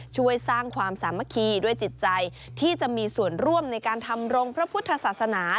ช่วยสร้างความสามัคคีด้วยจิตใจที่จะมีส่วนร่วมในการทำรงพระพุทธศาสนา